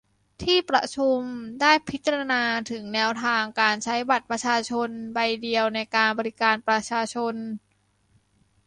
ที่ประชุมได้พิจาณาถึงแนวทางการใช้บัตรประชาชนใบเดียวในการบริการประชาชน